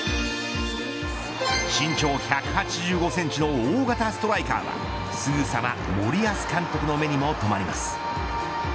身長１８５センチの大型ストライカーはすぐさま森保監督の目にも止まります。